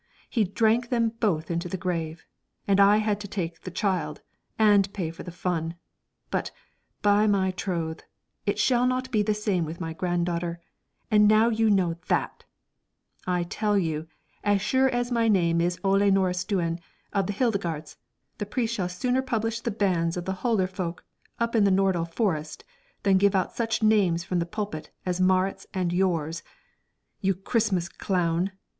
He drank them both into the grave, and I had to take the child and pay for the fun; but, by my troth! it shall not be the same with my granddaughter, and now you know that! I tell you, as sure as my name is Ole Nordistuen of the Heidegards, the priest shall sooner publish the bans of the hulder folks up in the Nordal forest than give out such names from the pulpit as Marit's and yours, you Christmas clown!